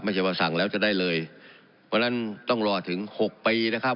ไม่ใช่ว่าสั่งแล้วจะได้เลยเพราะฉะนั้นต้องรอถึงหกปีนะครับ